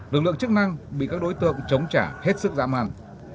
lực lượng chức năng bị các đối tượng chống trả hết sức dã man